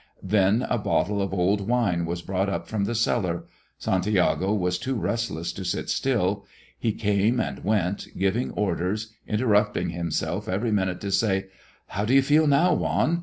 Then a bottle of old wine was brought up from the cellar. Santiago was too restless to sit still. He came and went, giving orders, interrupting himself every minute to say, "How do you feel now, Juan?